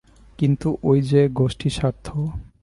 কিন্তু ওই যে গোষ্ঠীস্বার্থ।